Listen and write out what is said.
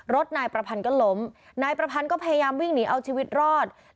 รถนายประพันธ์ก็ล้มนายประพันธ์ก็พยายามวิ่งหนีเอาชีวิตรอด